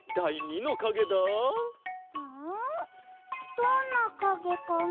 どんなかげかな？